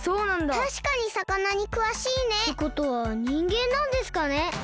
たしかにさかなにくわしいね。ってことはにんげんなんですかね。